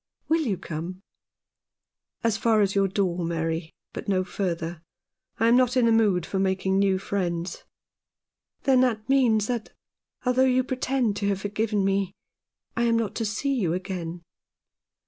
Will you come ?" "As far as your door, Mary, but no further. I am not in the mood for making new friends." " Then that means that, although you pretend to have forgiven me, I am not to see you again."